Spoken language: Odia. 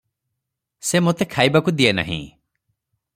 ସେ ମୋତେ ଖାଇବାକୁ ଦିଏନାହିଁ ।